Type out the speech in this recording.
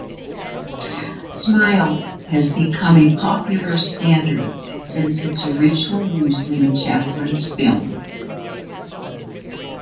"Smile" has become a popular standard since its original use in Chaplin's film.